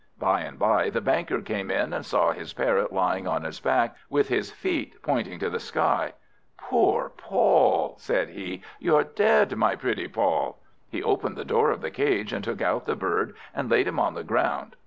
By and by the Banker came in, and saw his Parrot lying on his back, with his feet pointing to the sky. "Poor Poll," said he, "you're dead, my pretty Poll." He opened the door of the cage, and took out the bird, and laid him on the ground.